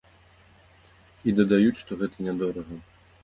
І дадаюць, што гэта нядорага.